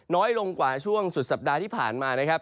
น้อยลงกว่าช่วงสุดสัปดาห์ที่ผ่านมานะครับ